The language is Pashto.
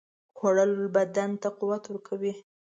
خوړل بدن ته قوت ورکوي